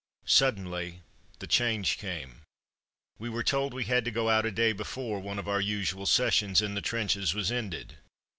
Suddenly the change came. We were told we had to go out a day before one of our usual sessions in the trenches was ended.